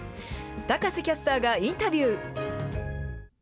高瀬キャスターがインタビュー。